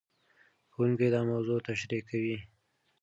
ښوونکي دا موضوع تشريح کوي.